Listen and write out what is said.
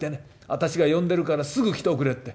私が呼んでるからすぐ来ておくれって。